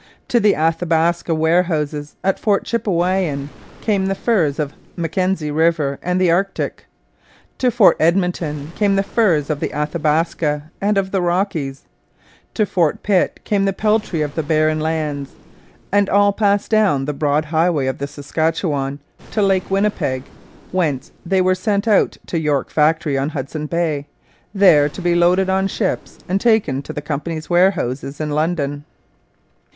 To the Athabaska warehouses at Fort Chipewyan came the furs of Mackenzie river and the Arctic; to Fort Edmonton came the furs of the Athabaska and of the Rockies; to Fort Pitt came the peltry of the Barren Lands; and all passed down the broad highway of the Saskatchewan to Lake Winnipeg, whence they were sent out to York Factory on Hudson Bay, there to be loaded on ships and taken to the Company's warehouses in London.